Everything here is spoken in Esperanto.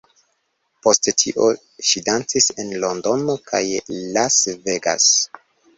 Post tio, ŝi dancis en Londono kaj Las Vegas.